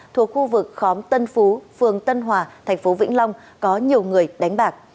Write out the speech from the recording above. thuộc khu vực khóm tân phú phường tân hòa thành phố vĩnh long có nhiều người đánh bạc